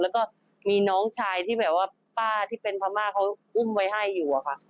แล้วก็มีน้องชายที่แบบว่าป้าที่เป็นพม่าเขาอุ้มไว้ให้อยู่อะค่ะ